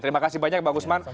terima kasih banyak bang usman